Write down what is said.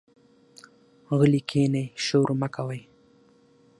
غلي کېنئ، شور مۀ کوئ.